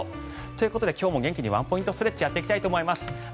ということで今日も元気にワンポイントストレッチをやっていきたいと思います。